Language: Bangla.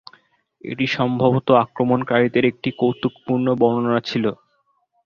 এটি সম্ভবত আক্রমণকারীদের একটি কৌতুকপূর্ণ বর্ণনা ছিল।